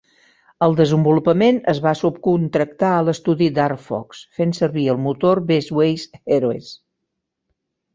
El desenvolupament es va subcontractar a l'estudi Dark Fox, fent servir el motor Best Way's Heroes.